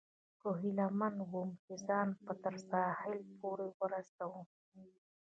خو هیله من ووم، چې ځان به تر ساحل پورې ورسوم.